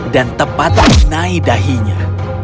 dan tepat menai dahinya